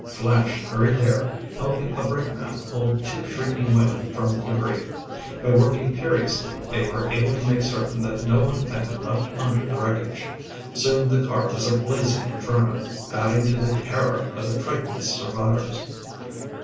Flash hurried there, helping a brakeman pull two shrieking women from the debris. By working furiously they were able to make certain that no one had been left under the wreckage. Soon the car was a blazing inferno, adding to the terror of the frightened survivors.